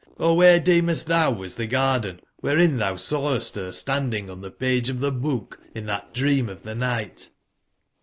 Or wberc deemest tbou 146 was tbc garden wherein tbousawcstbcr standing on the page of the booh in tbat dream of tbe nigbt